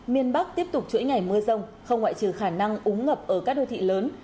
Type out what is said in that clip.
miền bắc tiếp tục chuỗi ngày mưa rông không ngoại trừ khả năng úng ngập ở các đô thị lớn